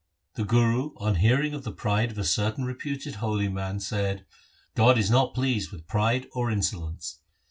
1 The Guru on hearing of the pride of a certain reputed holy man, said, ' God is not pleased with pride or insolence.